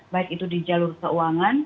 baik itu di jalur keuangan